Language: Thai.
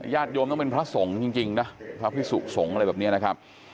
โยมต้องเป็นพระสงฆ์จริงนะพระพิสุสงฆ์อะไรแบบนี้นะครับ